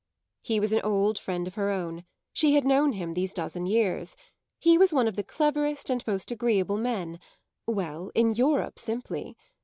He was an old friend of her own; she had known him these dozen years; he was one of the cleverest and most agreeable men well, in Europe simply.